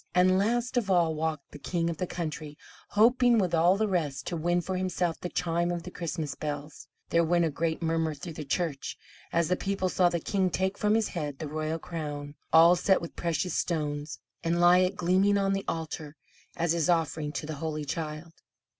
And last of all walked the king of the country, hoping with all the rest to win for himself the chime of the Christmas bells. There went a great murmur through the church as the people saw the king take from his head the royal crown, all set with precious stones, and lay it gleaming on the altar, as his offering to the Holy Child.